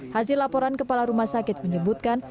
hasil laporan kepala rumah sakit menyebutkan